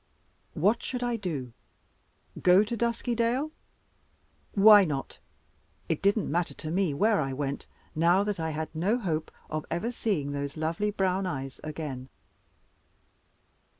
What should I do? Go to Duskydale? Why not? It didn't matter to me where I went, now that I had no hope of ever seeing those lovely brown eyes again.